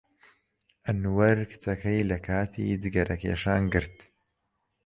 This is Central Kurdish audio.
ئەنوەر کچەکەی لە کاتی جگەرەکێشان گرت.